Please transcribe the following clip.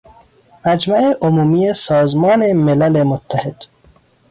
مجمع عمومی سازمان ملل متحد